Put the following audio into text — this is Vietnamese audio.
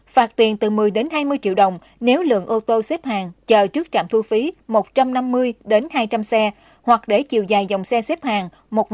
phạt tiền từ một mươi hai mươi triệu đồng nếu lượng ô tô xếp hàng chờ trước trạm thu phí một trăm năm mươi hai trăm linh xe hoặc để chiều dài dòng xe xếp hàng